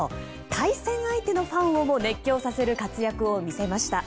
対戦相手のファンをも熱狂させる活躍を見せました。